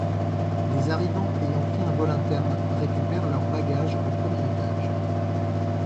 Les arrivants ayant pris un vol interne récupèrent leurs bagages au premier étage.